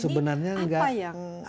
sebenarnya enggak susah